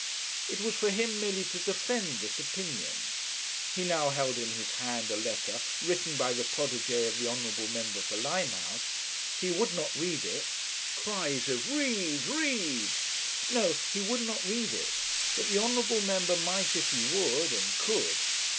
It was for him merely to defend this opinion. He now held in his hand a letter written by the protégé of the honourable member for Limehouse; he would not read it ' (cries of 'Read, read!') 'no, he would not read it, but the honourable member might if he would and could.